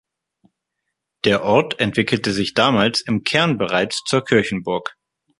Der Ort entwickelte sich damals im Kern bereits zur Kirchenburg.